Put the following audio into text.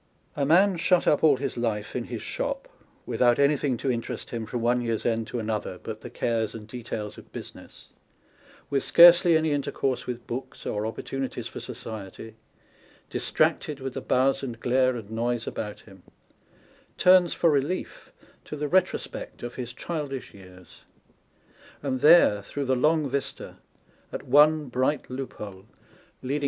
A man shut up all his life in his shop, without anything to interest him from one year's end to another but the cares and details of business, with scarcely any inter course with books or opportunities for society, distracted with tlio buzz and glare and noise about him, turns for relief to the retrospect of his childish years ; and there, through the long vista, at one bright loophole, leading On Lo?